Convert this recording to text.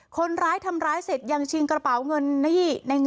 คนร้ายทำร้ายเสร็จยังชิงกระเป๋าเงินหนี้